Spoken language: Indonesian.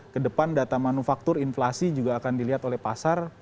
kedepan data manufaktur inflasi juga akan dilihat oleh pasar